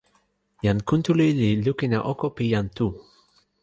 jan Kuntuli li lukin e oko pi jan Tu.